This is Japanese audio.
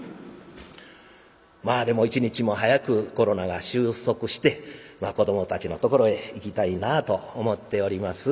まあでも一日も早くコロナが終息して子どもたちのところへ行きたいなと思っております。